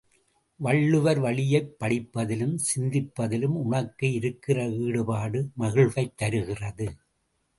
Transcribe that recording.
வள்ளுவர் வழியைப் படிப்பதிலும் சிந்திப்பதிலும் உனக்கு இருக்கிற ஈடுபாடு மகிழ்வைத் தருகிறது.